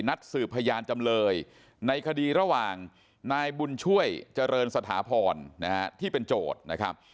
นัดสืบพยานจำเลยในคดีระหว่างนายบุญช่วยเจริญสถาพรนะฮะที่เป็นโจทย์นะครับ